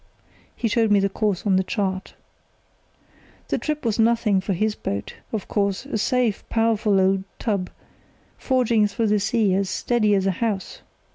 (He showed me the course on the chart.) "The trip was nothing for his boat, of course, a safe, powerful old tub, forging through the sea as steady as a house.